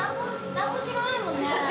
なんも知らないもんね